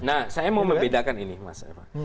nah saya mau membedakan ini mas eva